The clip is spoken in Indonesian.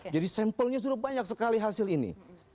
jadi sampelnya sudah banyak sekali hasil ini